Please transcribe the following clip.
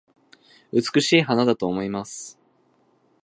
美しい花だと思います